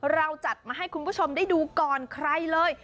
เราจัดมาให้คุณผู้ชมได้ดูก่อนใครเลย